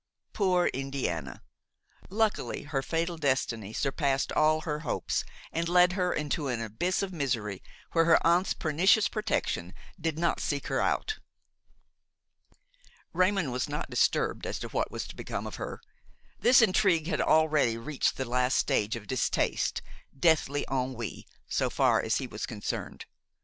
Poor Indiana! luckily her fatal destiny surpassed all her hopes and led her into an abyss of misery where her aunt's pernicious protection did not seek her out. Raymon was not disturbed as to what was to become of her. This intrigue had already reached the last stage of distaste, deathly ennui, so far as he was concerned.